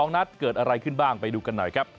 นัดเกิดอะไรขึ้นบ้างไปดูกันหน่อยครับ